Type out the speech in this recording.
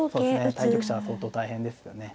対局者相当大変ですよね。